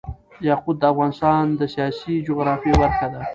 یاقوت د افغانستان د سیاسي جغرافیه برخه ده.